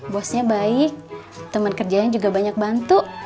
bosnya baik teman kerjanya juga banyak bantu